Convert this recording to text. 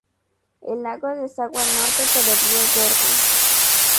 El lago desagua al norte por el río Jordan.